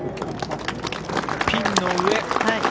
ピンの上。